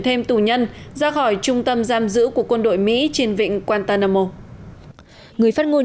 thêm tù nhân ra khỏi trung tâm giam giữ của quân đội mỹ trên vịnh kantanamo người phát ngôn